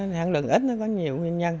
thì sản lượng ít nó có nhiều nguyên nhân